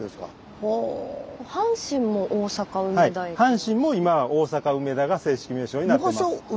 阪神も今は「大阪梅田」が正式名称になってます。